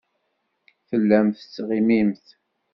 Tellamt tettɣimimt.